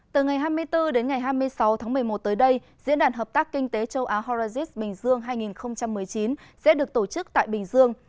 từ ngày hai mươi bốn đến ngày hai mươi sáu tháng một mươi một tới đây diễn đàn hợp tác kinh tế châu á horacis bình dương hai nghìn một mươi chín sẽ được tổ chức tại bình dương